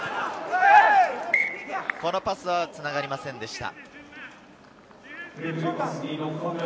このパスはつながりませんでした。